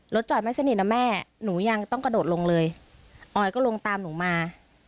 จอดไม่สนิทนะแม่หนูยังต้องกระโดดลงเลยออยก็ลงตามหนูมา